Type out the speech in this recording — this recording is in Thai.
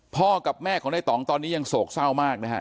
พ่อกับแม่ของในต่องตอนนี้ยังโศกเศร้ามากนะฮะ